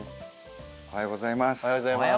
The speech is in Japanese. おはようございます。